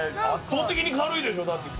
圧倒的に軽いでしょ？